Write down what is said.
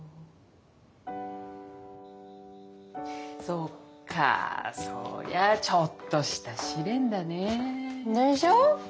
そっかそりゃちょっとした試練だねえ。でしょ？